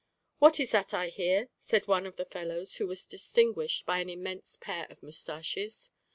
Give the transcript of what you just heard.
"What is that I hear?" said one of the fellows, who was distinguished by an immense pair of mustaches.